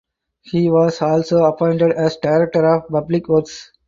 He was also appointed as director of public works.